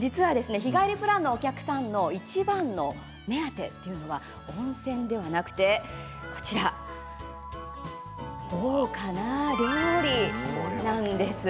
実は日帰りプランのお客さんのいちばんの目当てというのは温泉ではなくて、こちら、豪華な料理なんです。